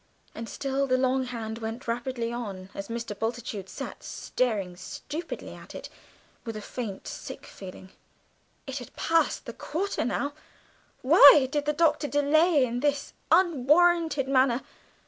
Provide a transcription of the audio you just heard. And still the long hand went rapidly on, as Mr. Bultitude sat staring stupidly at it with a faint sick feeling it had passed the quarter now why did the Doctor delay in this unwarrantable manner?